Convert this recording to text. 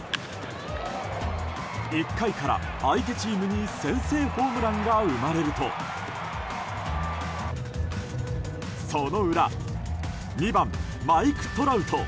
１回から相手チームに先制ホームランが生まれるとその裏２番、マイク・トラウト。